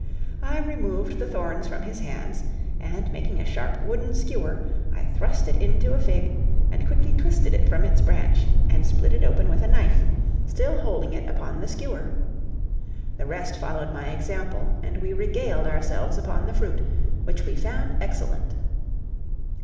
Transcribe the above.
I removed the thorns from his hands, and making a sharp wooden skewer, I thrust it into a fig, and quickly twisted it from its branch and split it open with a knife, still holding it upon the skewer. The rest followed my example, and we regaled ourselves upon the fruit, which we found excellent.